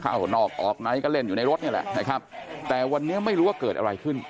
เข้านอกออกในก็เล่นอยู่ในรถนี่แหละนะครับแต่วันนี้ไม่รู้ว่าเกิดอะไรขึ้น